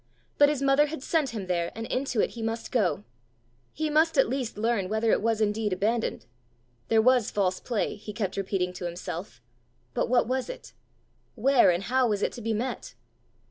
But his mother had sent him there, and into it he must go! He must at least learn whether it was indeed abandoned! There was false play! he kept repeating to himself; but what was it? where and how was it to be met?